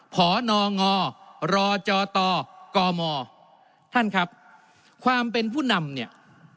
พนงรจตกมท่านครับความเป็นผู้นำเนี่ย